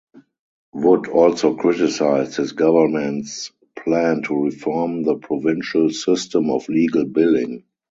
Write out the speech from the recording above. Wood also criticized his government's plan to reform the provincial system of legal billing.